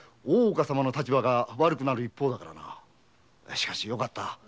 しかしよかった。